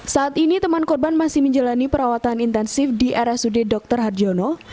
saat ini teman korban masih menjalani perawatan intensif di rsud dr harjono